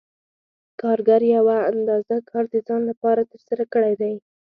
کارګر یوه اندازه کار د ځان لپاره ترسره کړی دی